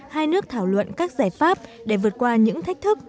hai nước thảo luận các giải pháp để vượt qua những thách thức